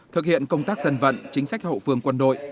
thực hiện công tác dân vận chính sách hậu phương quân đội